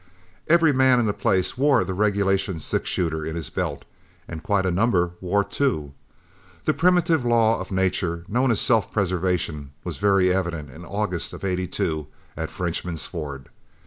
Every man in the place wore the regulation six shooter in his belt, and quite a number wore two. The primitive law of nature known as self preservation, was very evident in August of '82 at Frenchman's Ford.